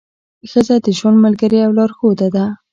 ښځه د ژوند ملګرې او لارښوده ده.